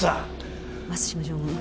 松島常務